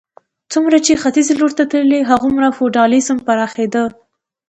څومره چې ختیځ لور ته تللې هغومره فیوډالېزم پراخېده.